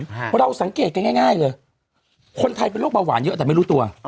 เราสังเกตกันง่ายง่ายเลยคนไทยเป็นโรคเบาหวานเยอะแต่ไม่รู้ตัว